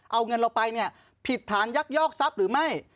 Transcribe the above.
เอาเงินเราไปเนี่ยผิดฐานยักยอกทรัพย์หรือไม่